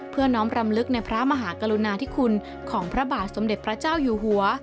น้องรำลึกในพระมหากรุณาธิคุณของพระบาทสมเด็จพระเจ้าอยู่หัว